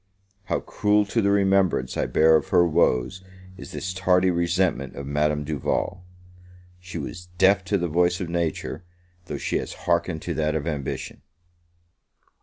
How cruel to the remembrance I bear of her woes is this tardy resentment of Madame Duval! She was deaf to the voice of Nature, though she has hearkened to that of Ambition.